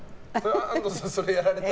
安藤さん、それやられたら？